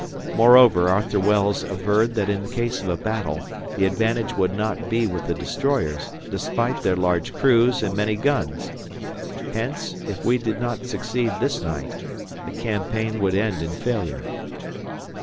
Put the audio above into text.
Moreover Arthur Wells averred that in case of a battle, the advantage would not be with the destroyers, despite their large crews, and many guns. Hence, if we did not succeed this night, the campaign would end in failure.